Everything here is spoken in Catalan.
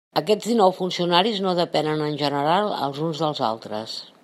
Aquests dinou funcionaris no depenen en general els uns dels altres.